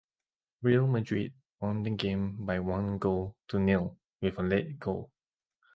Real Madrid won the game by one goal to nil with a late goal.